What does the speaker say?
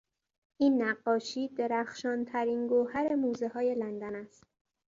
این نقاشی درخشانترین گوهر موزههای لندن است.